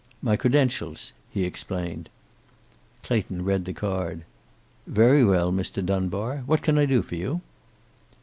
"My credentials," he explained. Clayton read the card. "Very well, Mr. Dunbar. What can I do for you?"